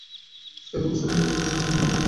সে কেবল সৌন্দর্যের জন্য নহে, আর একটা কী গুণ আছে।